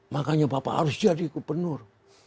makanya bapak harus jadi gubernur